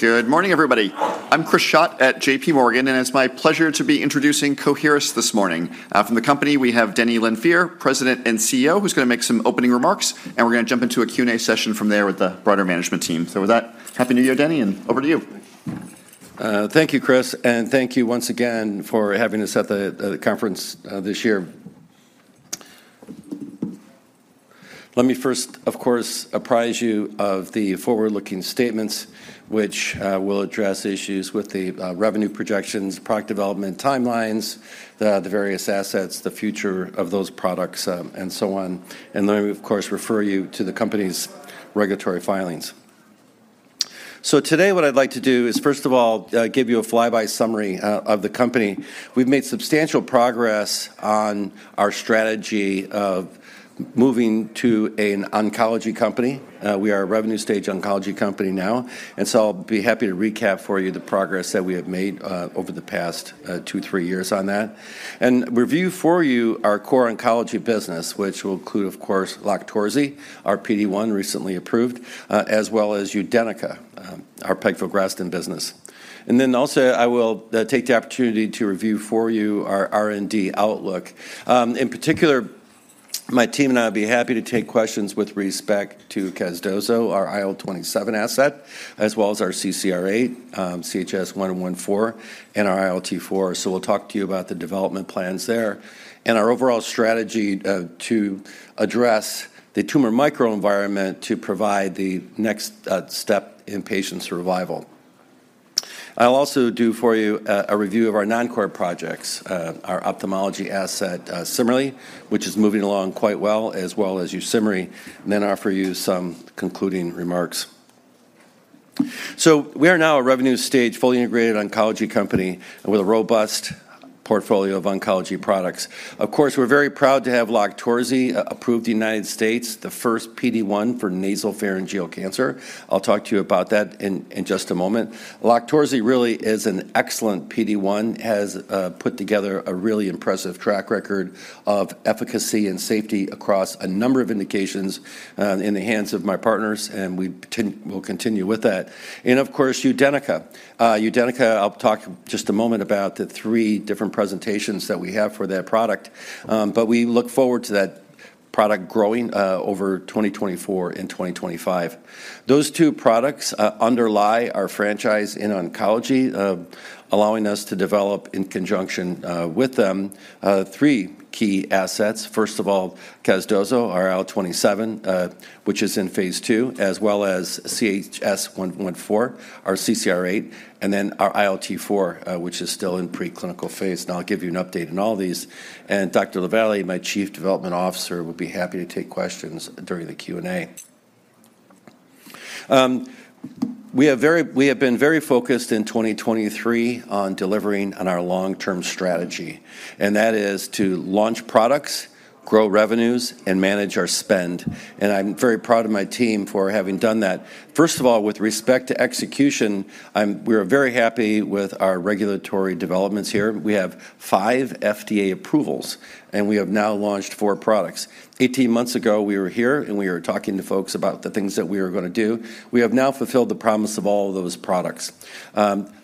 Good morning, everybody. I'm Chris Schott at J.P. Morgan, and it's my pleasure to be introducing Coherus this morning. From the company, we have Denny Lanfear, President and CEO, who's gonna make some opening remarks, and we're gonna jump into a Q&A session from there with the broader management team. So with that, happy New Year, Denny, and over to you. Thank you, Chris, and thank you once again for having us at the conference this year. Let me first, of course, apprise you of the forward-looking statements, which will address issues with the revenue projections, product development timelines, the various assets, the future of those products, and so on, and let me, of course, refer you to the company's regulatory filings. So today, what I'd like to do is, first of all, give you a flyby summary of the company. We've made substantial progress on our strategy of moving to an oncology company. We are a revenue-stage oncology company now, and so I'll be happy to recap for you the progress that we have made over the past 2-3 years on that and review for you our core oncology business, which will include, of course, LOQTORZI, our PD-1, recently approved, as well as UDENYCA, our pegfilgrastim business. Then also, I will take the opportunity to review for you our R&D outlook. In particular, my team and I would be happy to take questions with respect to casdozokitug, our IL-27 asset, as well as our CCR8, CHS-114, and our ILT4. We'll talk to you about the development plans there and our overall strategy to address the tumor microenvironment to provide the next step in patient survival. I'll also do for you a review of our non-core projects, our ophthalmology asset, CIMERLI, which is moving along quite well, as well as YUSIMRY, and then offer you some concluding remarks. So we are now a revenue-stage, fully integrated oncology company with a robust portfolio of oncology products. Of course, we're very proud to have LOQTORZI approved in the United States, the first PD-1 for nasopharyngeal cancer. I'll talk to you about that in just a moment. LOQTORZI really is an excellent PD-1, has put together a really impressive track record of efficacy and safety across a number of indications, in the hands of my partners, and we'll continue with that. And of course, UDENYCA. UDENYCA, I'll talk in just a moment about the three different presentations that we have for that product, but we look forward to that product growing over 2024 and 2025. Those two products underlie our franchise in oncology, allowing us to develop, in conjunction with them, three key assets. First of all, casdozokitug, our IL-27, which is in phase II, as well as CHS-114, our CCR8, and then our ILT-4, which is still in preclinical phase, and I'll give you an update on all these. Dr. LaVallee, my chief development officer, would be happy to take questions during the Q&A. We have been very focused in 2023 on delivering on our long-term strategy, and that is to launch products, grow revenues, and manage our spend, and I'm very proud of my team for having done that. First of all, with respect to execution, we are very happy with our regulatory developments here. We have five FDA approvals, and we have now launched four products. 18 months ago, we were here, and we were talking to folks about the things that we were gonna do. We have now fulfilled the promise of all of those products.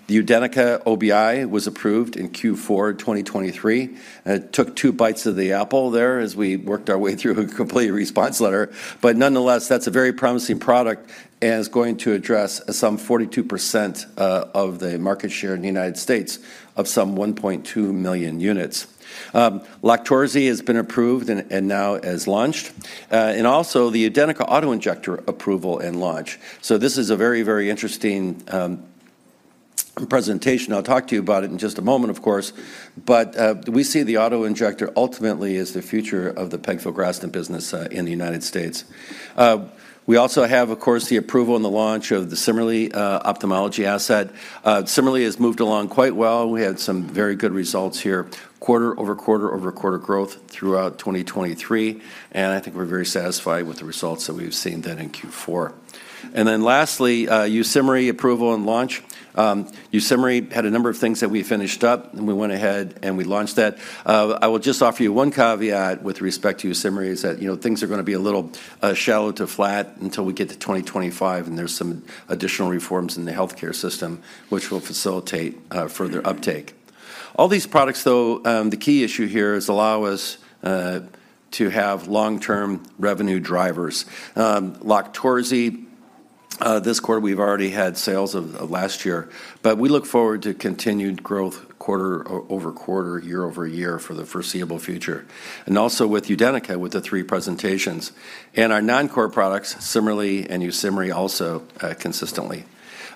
The UDENYCA OBI was approved in Q4 2023. It took two bites of the apple there as we worked our way through a complete response letter. But nonetheless, that's a very promising product and is going to address some 42% of the market share in the United States of some 1.2 million units. LOQTORZI has been approved and, and now is launched, and also the UDENYCA auto-injector approval and launch. So this is a very, very interesting presentation. I'll talk to you about it in just a moment, of course, but, we see the auto-injector ultimately as the future of the pegfilgrastim business in the United States. We also have, of course, the approval and the launch of the CIMERLI, ophthalmology asset. CIMERLI has moved along quite well. We had some very good results here, quarter over quarter over quarter growth throughout 2023, and I think we're very satisfied with the results that we've seen then in Q4. And then lastly, YUSIMRY approval and launch. YUSIMRY had a number of things that we finished up, and we went ahead, and we launched that. I will just offer you one caveat with respect to YUSIMRY is that, you know, things are gonna be a little shallow to flat until we get to 2025, and there's some additional reforms in the healthcare system, which will facilitate further uptake. All these products, though, the key issue here is allow us to have long-term revenue drivers. LOQTORZI, this quarter, we've already had sales of last year, but we look forward to continued growth quarter-over-quarter, year-over-year for the foreseeable future, and also with UDENYCA, with the three presentations, and our non-core products, CIMERLI, and YUSIMRY also, consistently.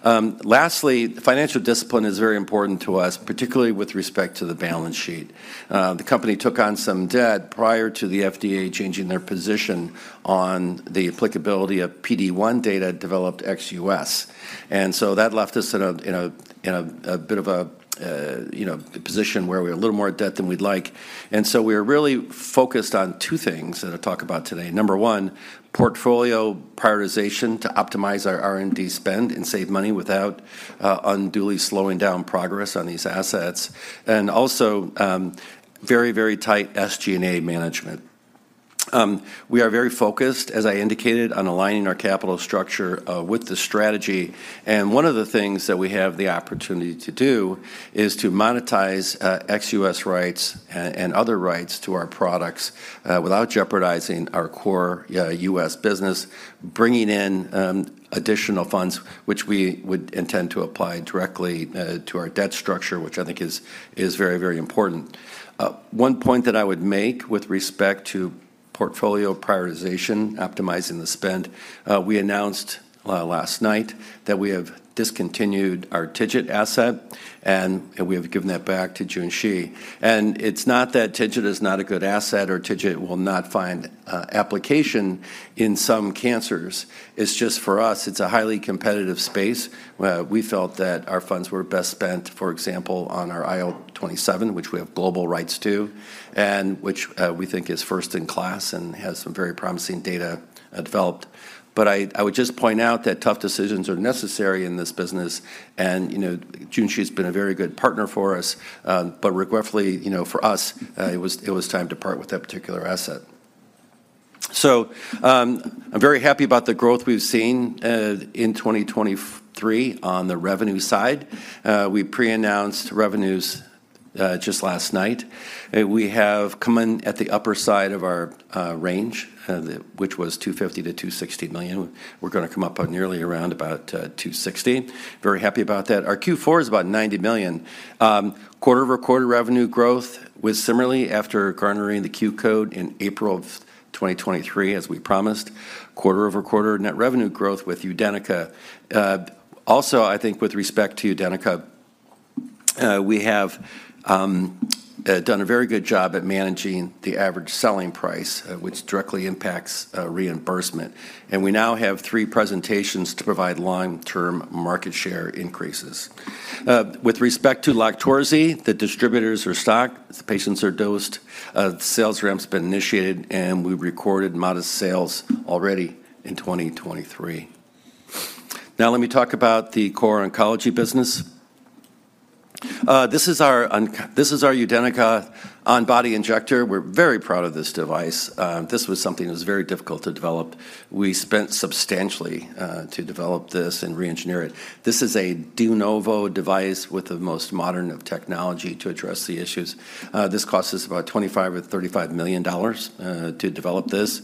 Lastly, financial discipline is very important to us, particularly with respect to the balance sheet. The company took on some debt prior to the FDA changing their position on the applicability of PD-1 data developed ex US. And so that left us in a bit of a, you know, a position where we're a little more in debt than we'd like. And so we're really focused on two things that I'll talk about today. Number one, portfolio prioritization to optimize our R&D spend and save money without unduly slowing down progress on these assets, and also very, very tight SG&A management. We are very focused, as I indicated, on aligning our capital structure with the strategy. And one of the things that we have the opportunity to do is to monetize ex-U.S. rights and other rights to our products without jeopardizing our core U.S. business, bringing in additional funds, which we would intend to apply directly to our debt structure, which I think is very, very important. One point that I would make with respect to portfolio prioritization, optimizing the spend, we announced last night that we have discontinued our TIGIT asset, and we have given that back to Junshi. And it's not that TIGIT is not a good asset or TIGIT will not find application in some cancers. It's just, for us, it's a highly competitive space. We felt that our funds were best spent, for example, on our IL-27, which we have global rights to, and which, we think is first in class and has some very promising data, developed. But I, I would just point out that tough decisions are necessary in this business and, you know, Junshi's been a very good partner for us, but regretfully, you know, for us, it was, it was time to part with that particular asset. So, I'm very happy about the growth we've seen, in 2023 on the revenue side. We pre-announced revenues, just last night. We have come in at the upper side of our, range, the... Which was $250 million-$260 million. We're gonna come up on nearly around about 260. Very happy about that. Our Q4 is about $90 million. Quarter-over-quarter revenue growth was similarly after garnering the Q Code in April of 2023, as we promised. Quarter-over-quarter net revenue growth with UDENYCA. Also, I think with respect to UDENYCA, we have done a very good job at managing the average selling price, which directly impacts reimbursement. And we now have 3 presentations to provide long-term market share increases. With respect to LOQTORZI, the distributors are stocked, the patients are dosed, the sales ramp's been initiated, and we've recorded modest sales already in 2023. Now, let me talk about the core oncology business. This is our UDENYCA on-body injector. We're very proud of this device. This was something that was very difficult to develop. We spent substantially to develop this and reengineer it. This is a de novo device with the most modern of technology to address the issues. This cost us about $25 million-$35 million to develop this.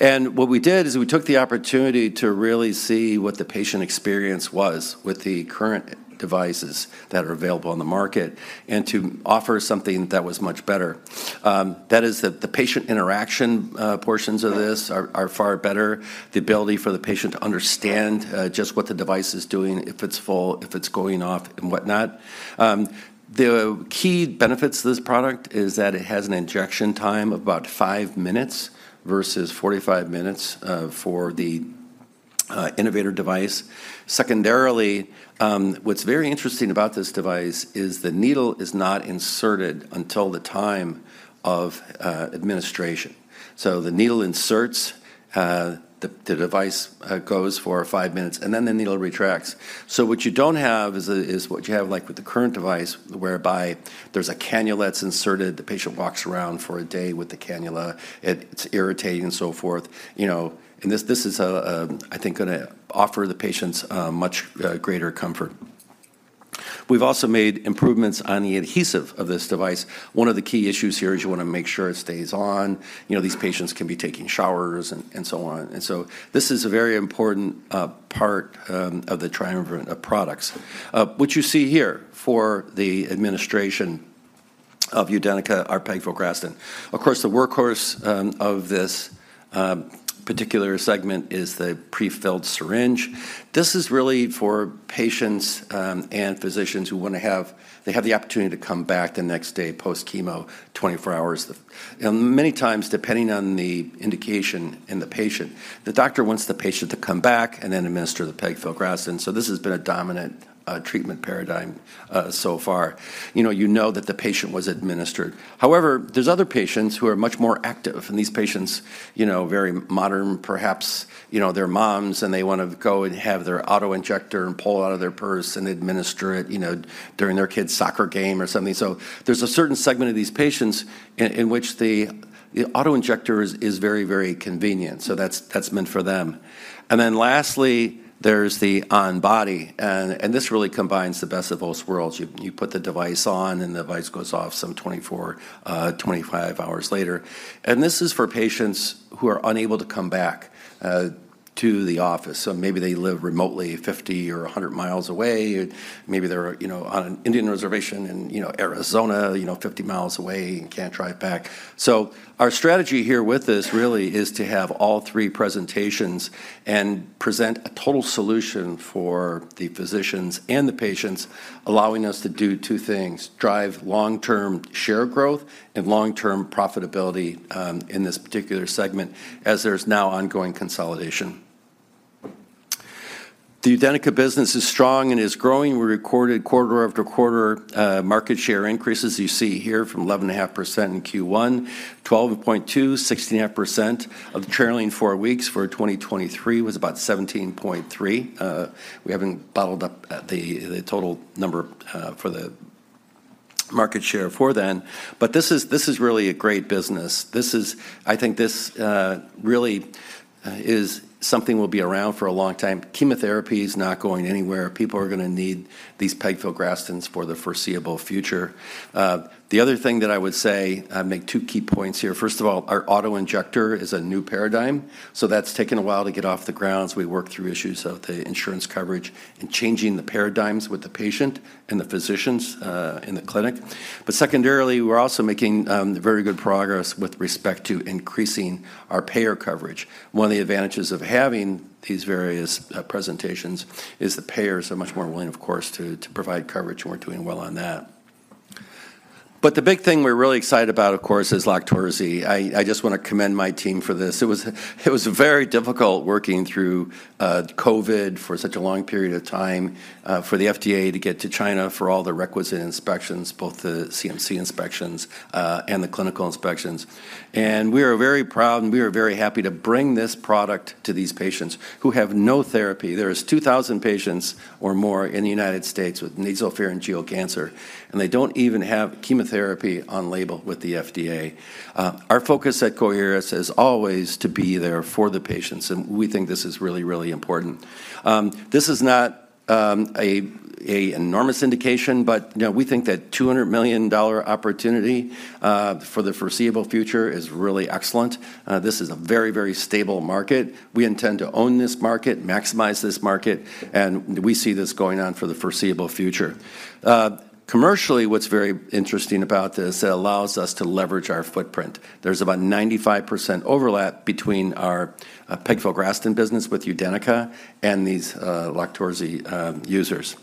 What we did is we took the opportunity to really see what the patient experience was with the current devices that are available on the market, and to offer something that was much better. That is, the patient interaction portions of this are far better, the ability for the patient to understand just what the device is doing, if it's full, if it's going off, and whatnot. The key benefits to this product is that it has an injection time of about 5 minutes versus 45 minutes for the innovator device. Secondarily, what's very interesting about this device is the needle is not inserted until the time of administration. So the needle inserts, the device goes for 5 minutes, and then the needle retracts. So what you don't have is what you have, like, with the current device, whereby there's a cannula that's inserted, the patient walks around for a day with the cannula, it's irritating and so forth. You know, and this is gonna offer the patients much greater comfort. We've also made improvements on the adhesive of this device. One of the key issues here is you wanna make sure it stays on. You know, these patients can be taking showers and so on. And so this is a very important part of the triumvirate of products. What you see here for the administration of UDENYCA are pegfilgrastim. Of course, the workhorse of this particular segment is the prefilled syringe. This is really for patients and physicians who they have the opportunity to come back the next day post-chemo, 24 hours. And many times, depending on the indication and the patient, the doctor wants the patient to come back and then administer the pegfilgrastim, so this has been a dominant treatment paradigm so far. You know, you know that the patient was administered. However, there's other patients who are much more active, and these patients, you know, very modern, perhaps, you know, they're moms, and they wanna go and have their auto-injector and pull it out of their purse and administer it, you know, during their kid's soccer game or something. So there's a certain segment of these patients in which the auto-injector is very, very convenient, so that's meant for them. And then lastly, there's the on-body, and this really combines the best of both worlds. You put the device on, and the device goes off some 24-25 hours later. And this is for patients who are unable to come back to the office. So maybe they live remotely, 50 or 100 miles away, maybe they're, you know, on an Indian reservation in, you know, Arizona, you know, 50 miles away and can't drive back. So our strategy here with this really is to have all three presentations and present a total solution for the physicians and the patients, allowing us to do two things: drive long-term share growth and long-term profitability in this particular segment, as there's now ongoing consolidation. The UDENYCA business is strong and is growing. We recorded quarter after quarter market share increases, you see here, from 11.5% in Q1, 12.2, 16.5% of the trailing four weeks for 2023 was about 17.3. We haven't bottled up the total number for the market share for then, but this is really a great business. This is I think this really is something we'll be around for a long time. Chemotherapy is not going anywhere. People are gonna need these pegfilgrastims for the foreseeable future. The other thing that I would say, I'll make two key points here. First of all, our auto-injector is a new paradigm, so that's taken a while to get off the ground as we work through issues of the insurance coverage and changing the paradigms with the patient and the physicians in the clinic. But secondarily, we're also making very good progress with respect to increasing our payer coverage. One of the advantages of having these various presentations is the payers are much more willing, of course, to provide coverage, and we're doing well on that. But the big thing we're really excited about, of course, is LOQTORZI. I just want to commend my team for this. It was, it was very difficult working through, COVID for such a long period of time, for the FDA to get to China for all the requisite inspections, both the CMC inspections, and the clinical inspections. We are very proud, and we are very happy to bring this product to these patients who have no therapy. There is 2,000 patients or more in the United States with nasopharyngeal cancer, and they don't even have chemotherapy on label with the FDA. Our focus at Coherus is always to be there for the patients, and we think this is really, really important. This is not, a enormous indication, but, you know, we think that $200 million opportunity, for the foreseeable future is really excellent. This is a very, very stable market. We intend to own this market, maximize this market, and we see this going on for the foreseeable future. Commercially, what's very interesting about this, it allows us to leverage our footprint. There's about 95% overlap between our pegfilgrastim business with UDENYCA and these LOQTORZI users.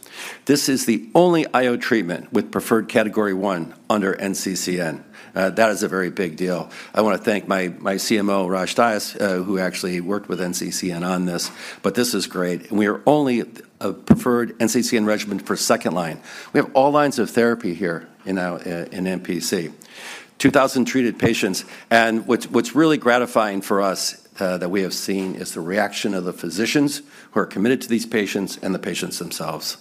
This is the only IO treatment with preferred Category 1 under NCCN. That is a very big deal. I want to thank my CMO, Rosh Dias, who actually worked with NCCN on this, but this is great, and we are only a preferred NCCN regimen for second line. We have all lines of therapy here in NPC. 2,000 treated patients, and what's really gratifying for us that we have seen is the reaction of the physicians who are committed to these patients and the patients themselves.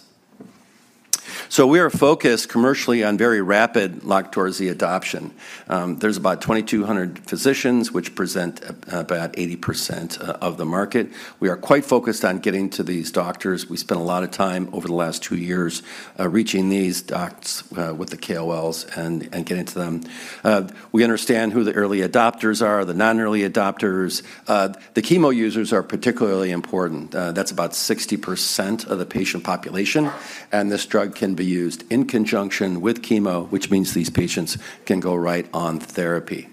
We are focused commercially on very rapid LOQTORZI adoption. There's about 2,200 physicians, which present about 80% of the market. We are quite focused on getting to these doctors. We spent a lot of time over the last 2 years reaching these docs with the KOLs and getting to them. We understand who the early adopters are, the non-early adopters. The chemo users are particularly important. That's about 60% of the patient population, and this drug can be used in conjunction with chemo, which means these patients can go right on therapy.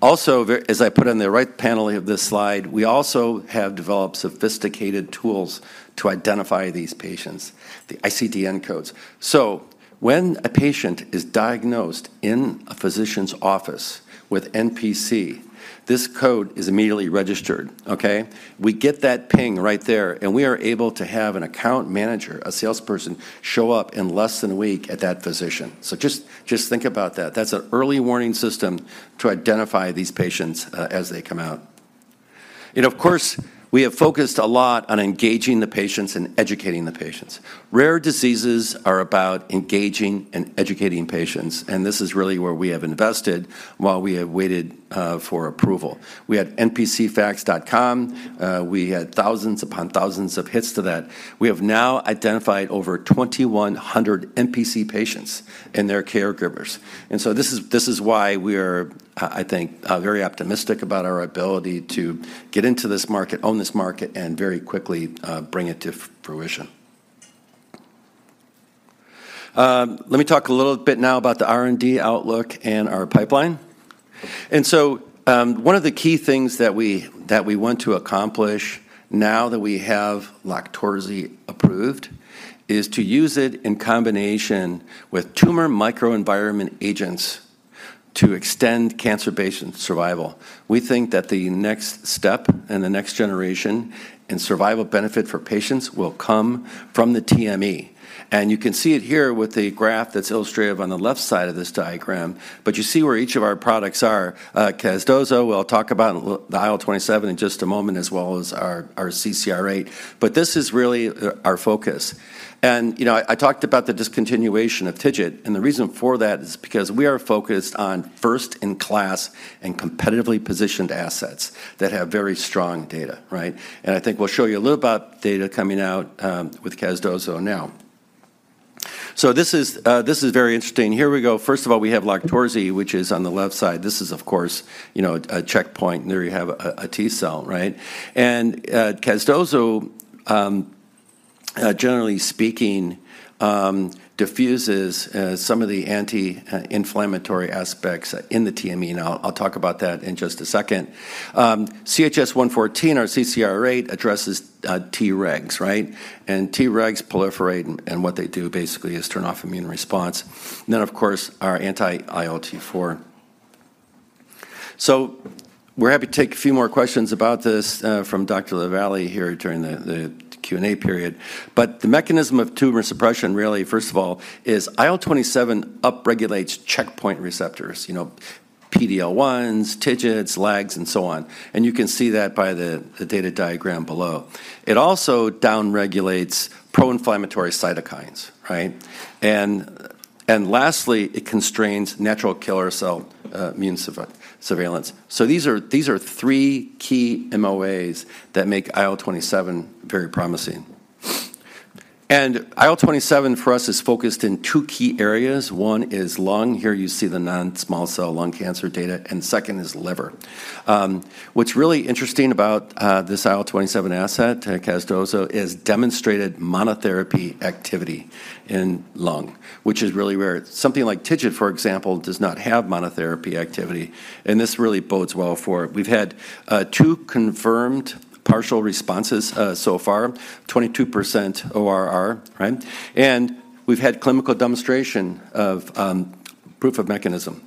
Also, as I put on the right panel of this slide, we also have developed sophisticated tools to identify these patients, the ICD-10 codes. So when a patient is diagnosed in a physician's office with NPC, this code is immediately registered, okay? We get that ping right there, and we are able to have an account manager, a salesperson, show up in less than a week at that physician. So just, just think about that. That's an early warning system to identify these patients as they come out. And of course, we have focused a lot on engaging the patients and educating the patients. Rare diseases are about engaging and educating patients, and this is really where we have invested while we have waited for approval. We had NPCfacts.com. We had thousands upon thousands of hits to that. We have now identified over 2,100 NPC patients and their caregivers, and so this is, this is why we are, I think, very optimistic about our ability to get into this market, own this market, and very quickly bring it to fruition. Let me talk a little bit now about the R&D outlook and our pipeline. So, one of the key things that we want to accomplish now that we have LOQTORZI approved, is to use it in combination with tumor microenvironment agents to extend cancer patient survival. We think that the next step and the next generation in survival benefit for patients will come from the TME, and you can see it here with the graph that's illustrated on the left side of this diagram, but you see where each of our products are. Casdozokitug, we'll talk about, and the IL-27 in just a moment, as well as our CCR8, but this is really our focus. You know, I talked about the discontinuation of TIGIT, and the reason for that is because we are focused on first-in-class and competitively positioned assets that have very strong data, right? And I think we'll show you a little about data coming out with casdozokitug now. So this is very interesting. Here we go. First of all, we have LOQTORZI, which is on the left side. This is, of course, you know, a checkpoint, and there you have a T cell, right? And casdozokitug generally speaking diffuses some of the anti-inflammatory aspects in the TME, and I'll talk about that in just a second. CHS-114, our CCR8, addresses Tregs, right? And Tregs proliferate, and what they do basically is turn off immune response. Then, of course, our anti-ILT4. So we're happy to take a few more questions about this from Dr. LaVallee here during the Q&A period. But the mechanism of tumor suppression, really, first of all, is IL-27 upregulates checkpoint receptors. PD-L1s, TIGITs, LAGs, and so on. And you can see that by the data diagram below. It also down regulates pro-inflammatory cytokines, right? And lastly, it constrains natural killer cell immune surveillance. So these are three key MOAs that make IL-27 very promising. And IL-27 for us is focused in two key areas. One is lung. Here you see the non-small cell lung cancer data, and second is liver. What's really interesting about this IL-27 asset, casdozokitug, is demonstrated monotherapy activity in lung, which is really rare. Something like TIGIT, for example, does not have monotherapy activity, and this really bodes well for it. We've had 2 confirmed partial responses so far, 22% ORR, right? And we've had clinical demonstration of proof of mechanism.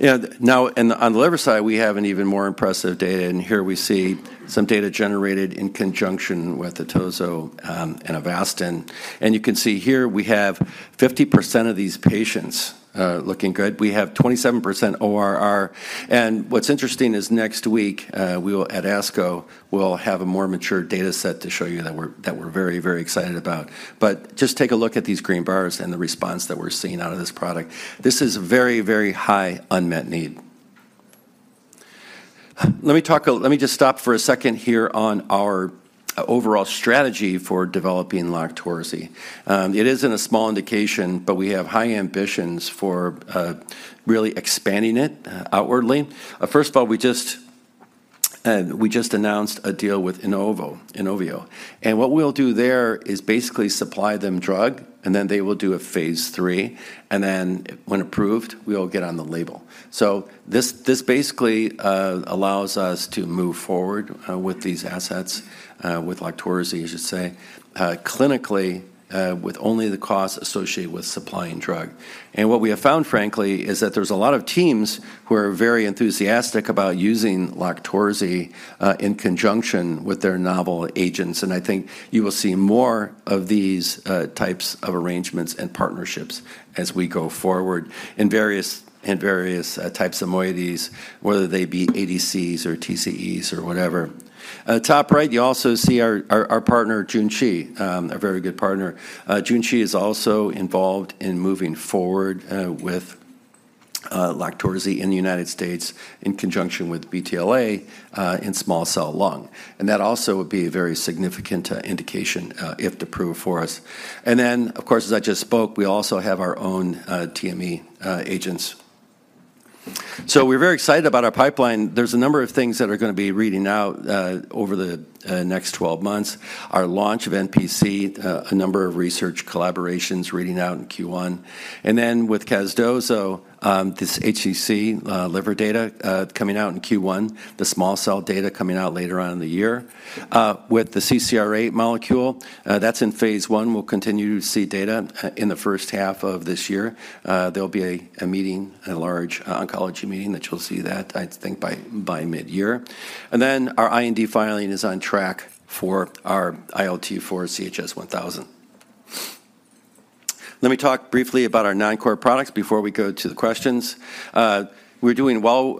And now on the liver side, we have an even more impressive data, and here we see some data generated in conjunction with atezolizumab and Avastin. And you can see here we have 50% of these patients looking good. We have 27% ORR, and what's interesting is next week at ASCO, we'll have a more mature data set to show you that we're, that we're very, very excited about. But just take a look at these green bars and the response that we're seeing out of this product. This is a very, very high unmet need. Let me just stop for a second here on our overall strategy for developing casdozokitug. It isn't a small indication, but we have high ambitions for really expanding it outwardly. First of all, we just announced a deal with INOVIO, and what we'll do there is basically supply them drug, and then they will do a phase III, and then when approved, we'll get on the label. So this, this basically allows us to move forward with these assets with LOQTORZI, I should say, clinically, with only the costs associated with supplying drug. What we have found, frankly, is that there's a lot of teams who are very enthusiastic about using LOQTORZI in conjunction with their novel agents, and I think you will see more of these types of arrangements and partnerships as we go forward in various types of moieties, whether they be ADCs or TCEs or whatever. Top right, you also see our partner, Junshi, a very good partner. Junshi is also involved in moving forward with LOQTORZI in the United States in conjunction with BTLA in small cell lung. And that also would be a very significant indication if approved for us. And then, of course, as I just spoke, we also have our own TME agents. So we're very excited about our pipeline. There's a number of things that are gonna be reading out over the next 12 months. Our launch of NPC, a number of research collaborations reading out in Q1. And then with casdozokitug, this HCC liver data coming out in Q1, the small cell data coming out later on in the year. With the CCR8 molecule, that's in phase I. We'll continue to see data in the first half of this year. There'll be a meeting, a large oncology meeting that you'll see that, I think, by mid-year. And then our IND filing is on track for our ILT4 CHS-1000. Let me talk briefly about our non-core products before we go to the questions. We're doing well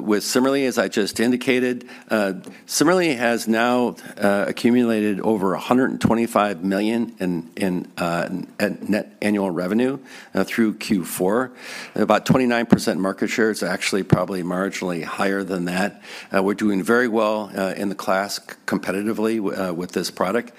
with CIMERLI, as I just indicated. CIMERLI has now accumulated over $125 million in net annual revenue through Q4, about 29% market share. It's actually probably marginally higher than that. We're doing very well in the class competitively with this product.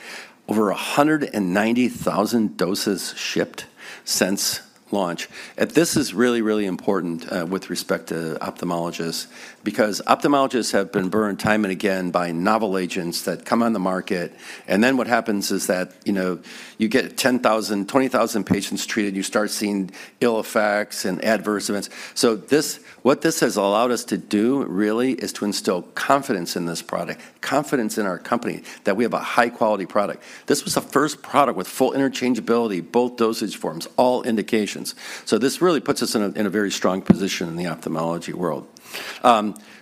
Over 190,000 doses shipped since launch. And this is really, really important with respect to ophthalmologists, because ophthalmologists have been burned time and again by novel agents that come on the market, and then what happens is that, you know, you get 10,000, 20,000 patients treated, you start seeing ill effects and adverse events. So this, what this has allowed us to do, really, is to instill confidence in this product, confidence in our company, that we have a high-quality product. This was the first product with full interchangeability, both dosage forms, all indications. So this really puts us in a very strong position in the ophthalmology world.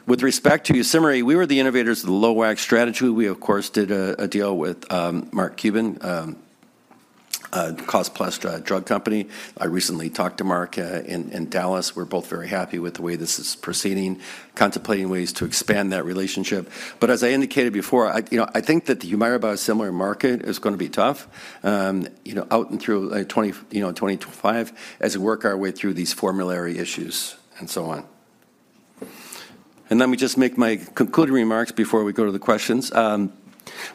With respect to CIMERLI, we were the innovators of the low WAC strategy. We, of course, did a deal with Mark Cuban Cost Plus Drug Company. I recently talked to Mark in Dallas. We're both very happy with the way this is proceeding, contemplating ways to expand that relationship. But as I indicated before, you know, I think that the Humira biosimilar market is gonna be tough, you know, out and through 2025, as we work our way through these formulary issues and so on. Let me just make my concluding remarks before we go to the questions.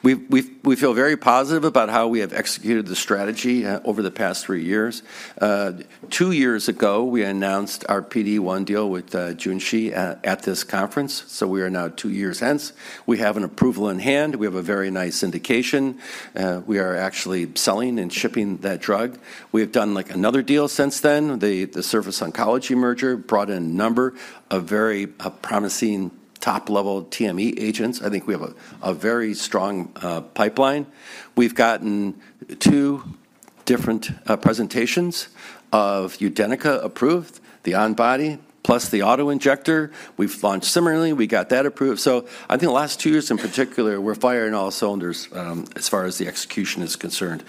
We feel very positive about how we have executed the strategy over the past three years. Two years ago, we announced our PD-1 deal with Junshi at this conference, so we are now two years hence. We have an approval in hand. We have a very nice indication. We are actually selling and shipping that drug. We have done, like, another deal since then. The Surface Oncology merger brought in a number of very promising top-level TME agents. I think we have a very strong pipeline. We've gotten two different presentations of UDENYCA approved, the on-body, plus the auto-injector. We've launched CIMERLI, we got that approved. So I think the last two years in particular, we're firing all cylinders as far as the execution is concerned.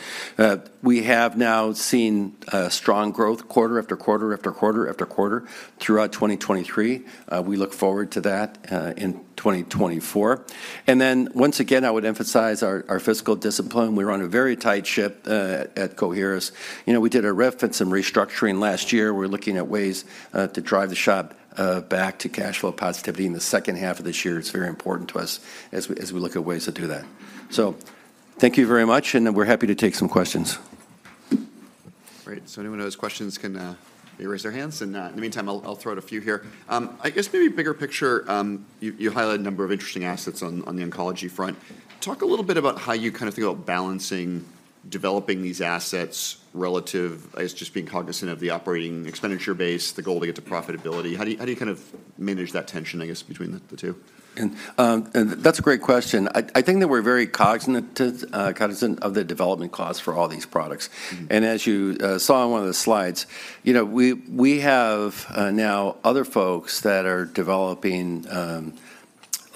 We have now seen strong growth quarter after quarter after quarter after quarter throughout 2023. We look forward to that in 2024. Once again, I would emphasize our fiscal discipline. We run a very tight ship at Coherus. You know, we did a ref and some restructuring last year. We're looking at ways to drive the ship back to cash flow positivity in the second half of this year. It's very important to us as we look at ways to do that. Thank you very much, and we're happy to take some questions. Great. So anyone who has questions can maybe raise their hands, and in the meantime, I'll throw out a few here. I guess maybe bigger picture, you highlighted a number of interesting assets on the oncology front. Talk a little bit about how you kind of think about balancing developing these assets relative, I guess, just being cognizant of the operating expenditure base, the goal to get to profitability. How do you kind of manage that tension, I guess, between the two? That's a great question. I think that we're very cognizant of the development costs for all these products. Mm-hmm. And as you saw on one of the slides, you know, we, we have now other folks that are developing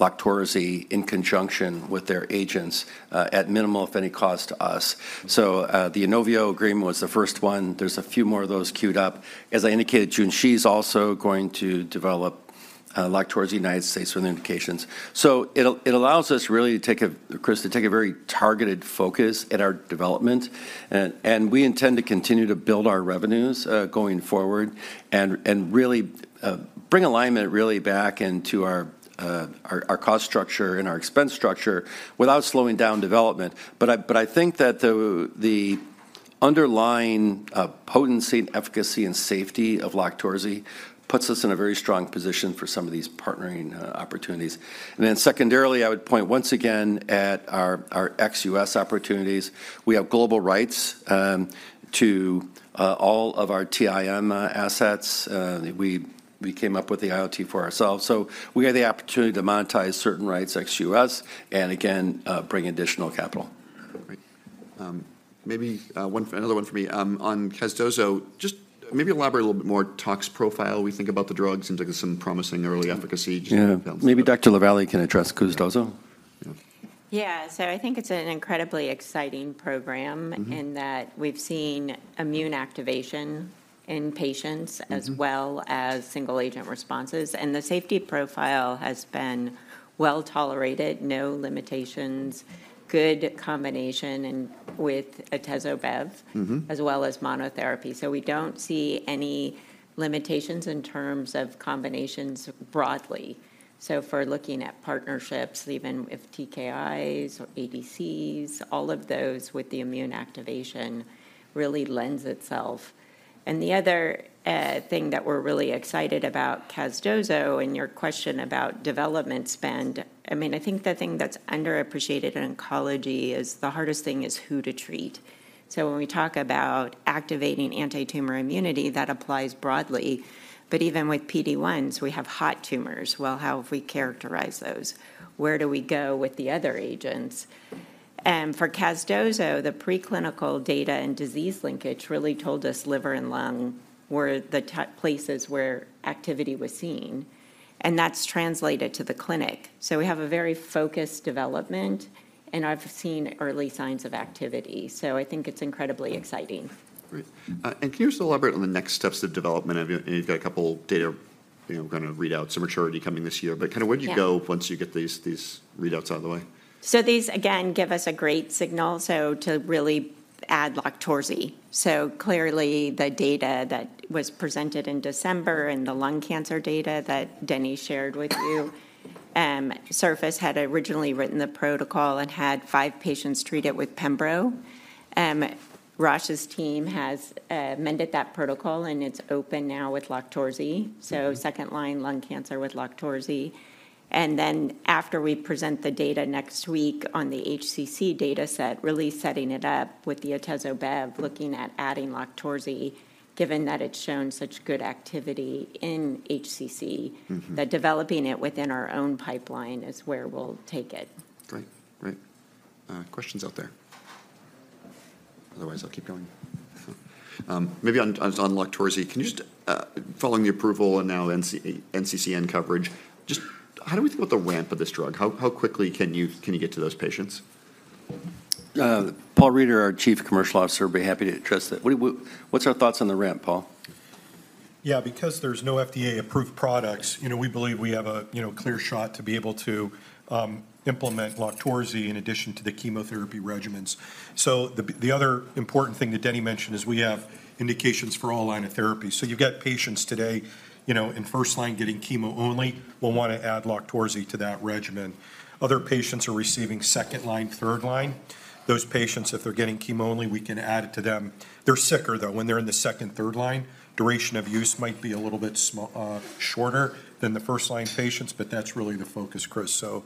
LOQTORZI in conjunction with their agents at minimal, if any, cost to us. So the INOVIO agreement was the first one. There's a few more of those queued up. As I indicated, Junshi's also going to develop LOQTORZI in the United States for the indications. So it'll it allows us really to take a, Chris, to take a very targeted focus in our development. And, and we intend to continue to build our revenues going forward, and, and really bring alignment really back into our, our, our cost structure and our expense structure without slowing down development. But I think that the underlying potency and efficacy and safety of LOQTORZI puts us in a very strong position for some of these partnering opportunities. And then secondarily, I would point once again at our ex-US opportunities. We have global rights to all of our TME assets. We came up with the IO for ourselves, so we have the opportunity to monetize certain rights ex-US, and again, bring additional capital. Great. Maybe one, another one for me. On casdozokitug, just maybe elaborate a little bit more tox profile, we think about the drug. Seems like there's some promising early efficacy- Yeah. Maybe- Maybe Dr. LaVallee can address casdozokitug? Yeah. Yeah, so I think it's an incredibly exciting program- Mm-hmm... in that we've seen immune activation in patients- Mm-hmm... as well as single agent responses, and the safety profile has been well-tolerated, no limitations, good combination with atezo-bev- Mm-hmm... as well as monotherapy. So we don't see any limitations in terms of combinations broadly. So if we're looking at partnerships, even with TKIs or ADCs, all of those with the immune activation really lends itself. And the other thing that we're really excited about casdozokitug, and your question about development spend, I mean, I think the thing that's underappreciated in oncology is the hardest thing is who to treat. So when we talk about activating anti-tumor immunity, that applies broadly. But even with PD-1s, we have hot tumors. Well, how have we characterized those? Where do we go with the other agents? And for casdozokitug, the preclinical data and disease linkage really told us liver and lung were the places where activity was seen, and that's translated to the clinic. We have a very focused development, and I've seen early signs of activity, so I think it's incredibly exciting. Great. And can you just elaborate on the next steps to development? Have you... And you've got a couple data, you know, kind of readouts, some maturity coming this year. But kind of- Yeah... where do you go once you get these readouts out of the way? So these, again, give us a great signal, so to really add LOQTORZI. So clearly, the data that was presented in December and the lung cancer data that Denny shared with you, Surface had originally written the protocol and had five patients treat it with pembro. Rosh's team has amended that protocol, and it's open now with LOQTORZI. Mm-hmm. So second-line lung cancer with LOQTORZI. And then after we present the data next week on the HCC data set, really setting it up with the atezo-bev, looking at adding LOQTORZI, given that it's shown such good activity in HCC. Mm-hmm... that developing it within our own pipeline is where we'll take it. Great. Great. Questions out there? Otherwise, I'll keep going. Maybe on, on LOQTORZI. Yeah. Can you just, following the approval and now NCCN coverage, just how do we think about the ramp of this drug? How quickly can you get to those patients? Paul Reider, our Chief Commercial Officer, would be happy to address that. What do we... What's our thoughts on the ramp, Paul? Yeah, because there's no FDA-approved products, you know, we believe we have a, you know, clear shot to be able to implement LOQTORZI in addition to the chemotherapy regimens. So the other important thing that Denny mentioned is we have indications for all line of therapy. So you've got patients today, you know, in first line getting chemo only. We'll want to add LOQTORZI to that regimen. Other patients are receiving second line, third line. Those patients, if they're getting chemo only, we can add it to them. They're sicker, though, when they're in the second, third line. Duration of use might be a little bit shorter than the first-line patients, but that's really the focus, Chris. So,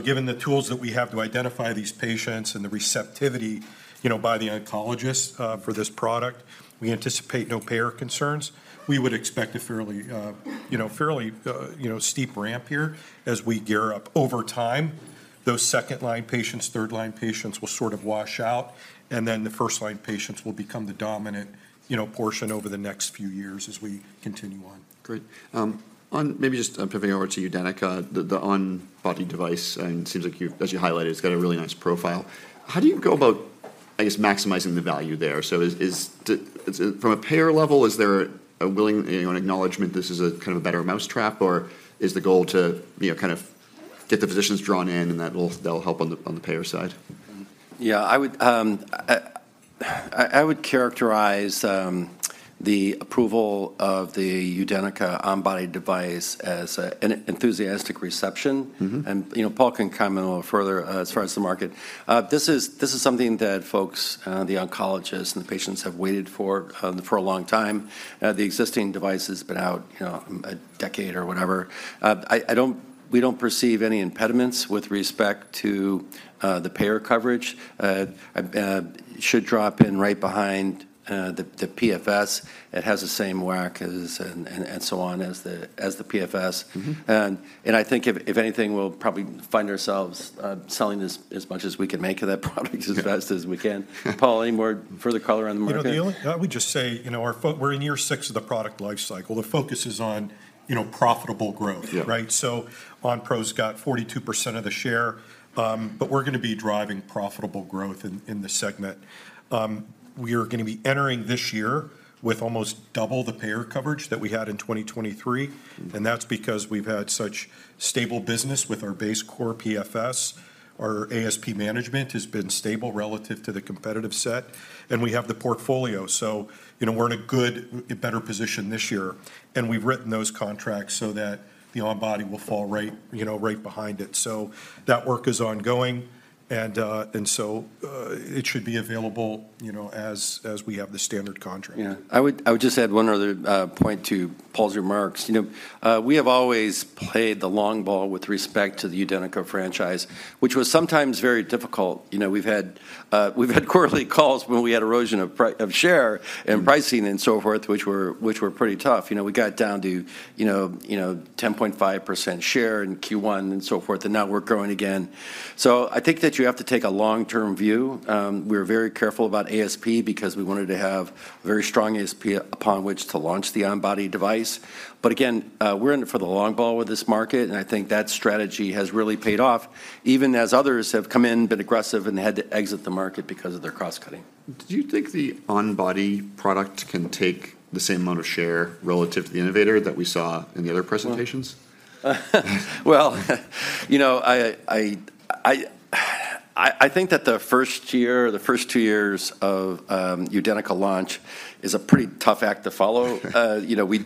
given the tools that we have to identify these patients and the receptivity, you know, by the oncologists, for this product, we anticipate no payer concerns. We would expect a fairly, you know, fairly, you know, steep ramp here as we gear up. Over time, those second-line patients, third-line patients will sort of wash out, and then the first-line patients will become the dominant, you know, portion over the next few years as we continue on. Great. On maybe just pivoting over to UDENYCA, the on-body device, and it seems like you've, as you highlighted, it's got a really nice profile. How do you go about, I guess, maximizing the value there. So is it from a payer level, is there a willingness, you know, an acknowledgement this is a kind of a better mousetrap, or is the goal to, you know, kind of get the physicians drawn in, and that'll help on the payer side? Yeah, I would characterize the approval of the UDENYCA on-body device as an enthusiastic reception. Mm-hmm. You know, Paul can comment a little further, as far as the market. This is, this is something that folks, the oncologists and the patients have waited for, for a long time. The existing device has been out, you know, a decade or whatever. I, I don't- we don't perceive any impediments with respect to, the payer coverage. Should drop in right behind, the PFS. It has the same WAC as and, and, and so on, as the, as the PFS. Mm-hmm. I think if anything, we'll probably find ourselves selling this as much as we can make of that product as best as we can. Paul, any more further color on the market? You know, I would just say, you know, we're in year six of the product life cycle. The focus is on, you know, profitable growth- Yeah... right? So Onpro's got 42% of the share, but we're gonna be driving profitable growth in the segment. We are gonna be entering this year with almost double the payer coverage that we had in 2023, and that's because we've had such stable business with our base core PFS. Our ASP management has been stable relative to the competitive set, and we have the portfolio. So, you know, we're in a good, better position this year, and we've written those contracts so that the on-body will fall right, you know, right behind it. So that work is ongoing, and so it should be available, you know, as we have the standard contract. Yeah. I would just add one other point to Paul's remarks. You know, we have always played the long ball with respect to the UDENYCA franchise, which was sometimes very difficult. You know, we've had quarterly calls where we had erosion of share- Mm... and pricing and so forth, which were, which were pretty tough. You know, we got down to, you know, you know, 10.5% share in Q1 and so forth, and now we're growing again. So I think that you have to take a long-term view. We're very careful about ASP because we wanted to have a very strong ASP upon which to launch the on-body device. But again, we're in it for the long haul with this market, and I think that strategy has really paid off, even as others have come in, been aggressive, and had to exit the market because of their cross-cutting. Do you think the on-body product can take the same amount of share relative to the innovator that we saw in the other presentations? Well, you know, I think that the first year or the first two years of UDENYCA launch is a pretty tough act to follow. You know, we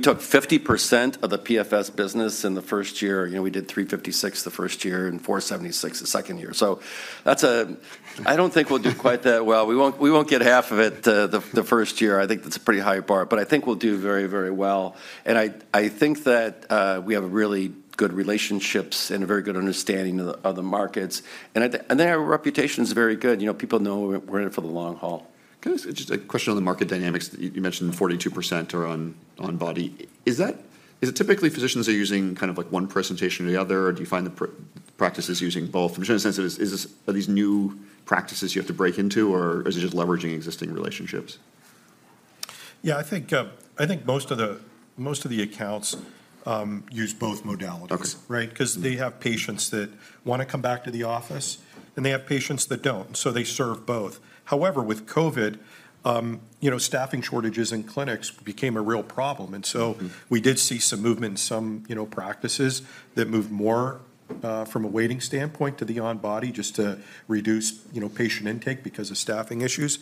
took 50% of the PFS business in the first year. You know, we did $356 million the first year and $476 million the second year. So that's I don't think we'll do quite that well. We won't get half of it the first year. I think that's a pretty high bar, but I think we'll do very, very well. And I think that we have really good relationships and a very good understanding of the markets. And our reputation is very good. You know, people know we're in it for the long haul. Can I ask just a question on the market dynamics? You mentioned 42% are on on-body. Is it typically physicians are using kind of like one presentation or the other, or do you find the practices using both? I'm just trying to sense of, is this, are these new practices you have to break into, or is it just leveraging existing relationships? Yeah, I think most of the accounts use both modalities- Okay... right? Because they have patients that wanna come back to the office, and they have patients that don't, so they serve both. However, with COVID, you know, staffing shortages in clinics became a real problem, and so- Mm... we did see some movement in some, you know, practices that moved more, from a waiting standpoint to the on-body just to reduce, you know, patient intake because of staffing issues.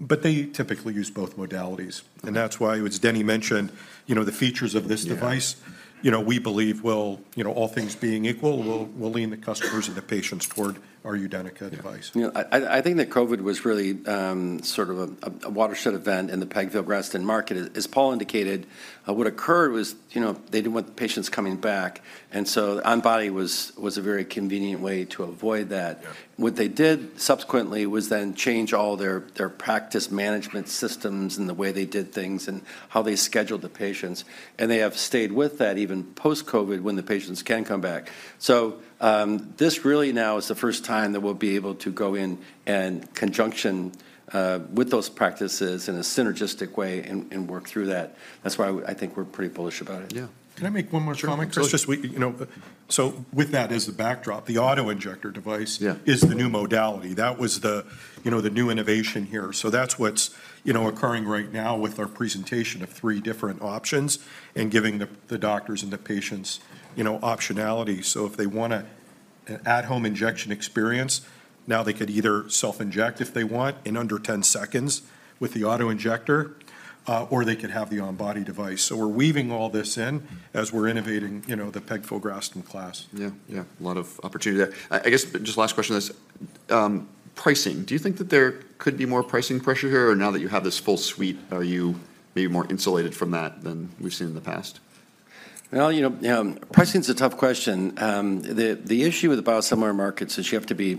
But they typically use both modalities. Okay. That's why, as Denny mentioned, you know, the features of this device- Yeah... you know, we believe will, you know, all things being equal- Mm... will lean the customers and the patients toward our UDENYCA device. Yeah. You know, I think that COVID was really sort of a watershed event in the pegfilgrastim market. As Paul indicated, what occurred was, you know, they didn't want the patients coming back, and so on-body was a very convenient way to avoid that. Yeah. What they did subsequently was then change all their practice management systems and the way they did things and how they scheduled the patients, and they have stayed with that even post-COVID when the patients can come back. So, this really now is the first time that we'll be able to go in and conjunction with those practices in a synergistic way and work through that. That's why I think we're pretty bullish about it. Yeah. Can I make one more comment? Sure. So it's just... You know, so with that as the backdrop, the auto-injector device- Yeah... is the new modality. That was the, you know, the new innovation here. So that's what's, you know, occurring right now with our presentation of three different options and giving the, the doctors and the patients, you know, optionality. So if they want a, an at-home injection experience, now they could either self-inject if they want in under 10 seconds with the auto-injector, or they could have the on-body device. So we're weaving all this in- Mm... as we're innovating, you know, the pegfilgrastim class. Yeah, yeah, a lot of opportunity there. I, I guess, just last question on this: pricing, do you think that there could be more pricing pressure here, or now that you have this full suite, are you maybe more insulated from that than we've seen in the past? ... Well, you know, pricing's a tough question. The issue with biosimilar markets is you have to be,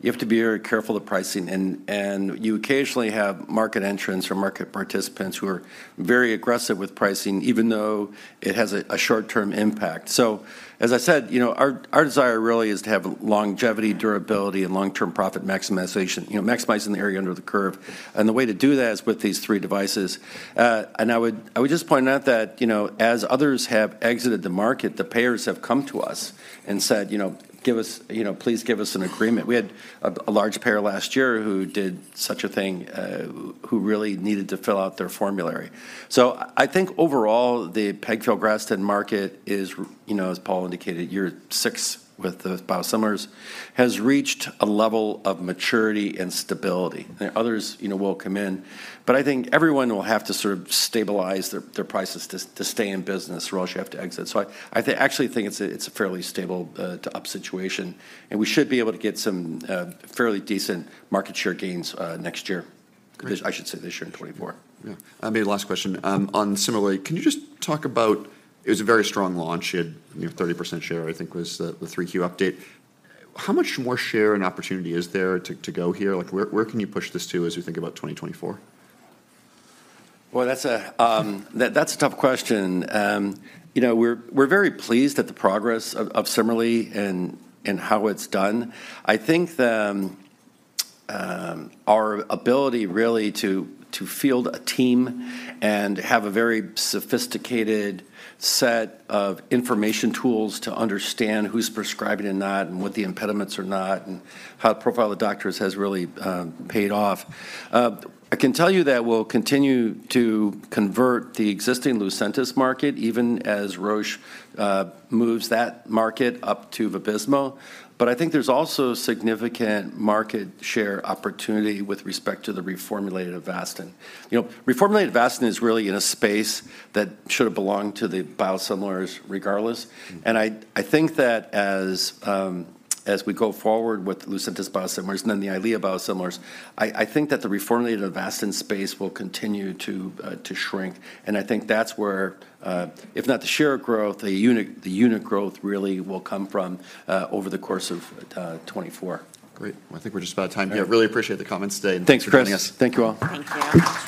you have to be very careful of pricing, and you occasionally have market entrants or market participants who are very aggressive with pricing, even though it has a short-term impact. So as I said, you know, our desire really is to have longevity, durability, and long-term profit maximization, you know, maximizing the area under the curve, and the way to do that is with these three devices. I would just point out that, you know, as others have exited the market, the payers have come to us and said, "You know, give us... You know, please give us an agreement." We had a large payer last year who did such a thing, who really needed to fill out their formulary. So I think overall, the Pegfilgrastim market is, you know, as Paul indicated, year six with the biosimilars, has reached a level of maturity and stability, and others, you know, will come in. But I think everyone will have to sort of stabilize their prices to stay in business, or else you have to exit. So I actually think it's a, it's a fairly stable, to up situation, and we should be able to get some fairly decent market share gains, next year. Great. I should say this year, in 2024. Yeah. I may have last question. On CIMERLI can you just talk about... It was a very strong launch. You had, you know, 30% share, I think, was the 3Q update. How much more share and opportunity is there to go here? Like, where can you push this to as we think about 2024? Well, that's a tough question. You know, we're very pleased at the progress of CIMERLI and how it's done. I think our ability really to field a team and have a very sophisticated set of information tools to understand who's prescribing and not, and what the impediments are not, and how to profile the doctors has really paid off. I can tell you that we'll continue to convert the existing Lucentis market, even as Roche moves that market up to Vabysmo. But I think there's also significant market share opportunity with respect to the reformulated Avastin. You know, reformulated Avastin is really in a space that should have belonged to the biosimilars regardless. Mm. I think that as we go forward with Lucentis biosimilars and then the Eylea biosimilars, I think that the reformulated Avastin space will continue to shrink, and I think that's where, if not the share growth, the unit growth really will come from over the course of 2024. Great. Well, I think we're just about out of time here. Really appreciate the comments today. Thanks, Chris. Thanks for joining us. Thank you, all.